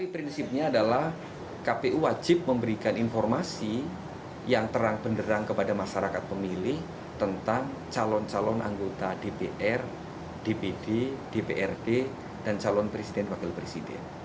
prinsipnya adalah kpu wajib memberikan informasi yang terang benderang kepada masyarakat pemilih tentang calon calon anggota dpr dpd dprd dan calon presiden wakil presiden